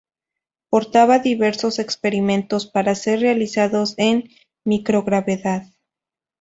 Portaba diversos experimentos para ser realizados en microgravedad.